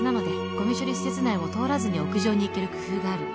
「ゴミ処理施設内を通らずに屋上に行ける工夫がある」